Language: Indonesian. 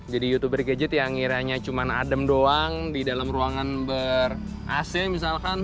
jadi youtuber gadget yang ngiranya cuma adem doang di dalam ruangan ber ac misalkan